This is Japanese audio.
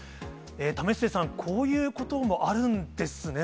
為末さん、こういうこともあるんですね。